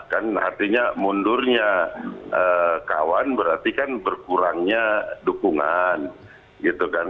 kan artinya mundurnya kawan berarti kan berkurangnya dukungan gitu kan